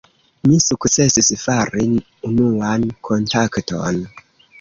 Mi sukcesis fari unuan kontakton.